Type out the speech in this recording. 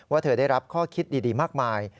เธอได้รับข้อคิดดีมากมาย